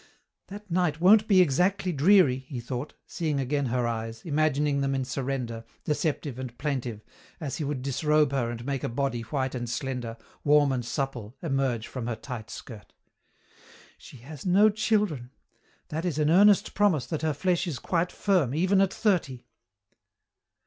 "That night won't be exactly dreary," he thought, seeing again her eyes, imagining them in surrender, deceptive and plaintive, as he would disrobe her and make a body white and slender, warm and supple, emerge from her tight skirt. "She has no children. That is an earnest promise that her flesh is quite firm, even at thirty!"